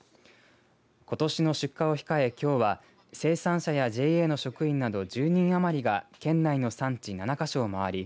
ことしの出荷を控え、きょうは生産者やＪＡの職員など１０人余りが県内の産地７か所を回り